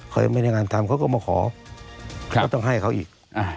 เขาไม่ได้งานทำเขาก็มาขอก็ต้องให้เขาอีก